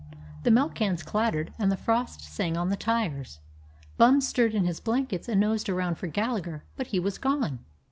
The milk cans clattered and the frost sang on the tires. Bum stirred in his blankets and nosed around for Gallagher, but he was gone.